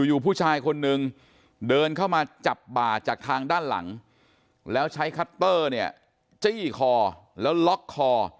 อยู่ผู้ชายคนนึงเดินเข้ามาจับบ่าจากทางด้านหลังแล้วใช้คัตเตอร์เนี่ยจี้คอแล้วล็อกคอ